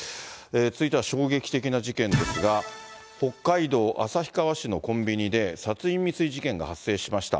続いては衝撃的な事件ですが、北海道旭川市のコンビニで、殺人未遂事件が発生しました。